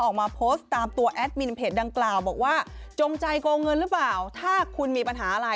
ออกมาโพสต์ตามตัวแอดมินเพจดังกล่าวบอกว่าจงใจโกงเงินหรือเปล่าถ้าคุณมีปัญหาอะไร